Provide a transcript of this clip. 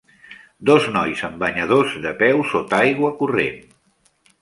Dos nois en banyadors de peu sota aigua corrent.